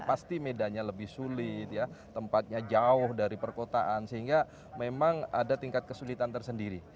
pasti medannya lebih sulit ya tempatnya jauh dari perkotaan sehingga memang ada tingkat kesulitan tersendiri